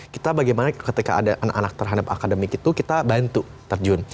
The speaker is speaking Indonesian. kita bagaimana ketika ada anak anak terhadap akademik itu kita bantu terjun